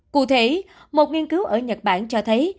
cụ thể một nghiên cứu ở nhật bản cho thấy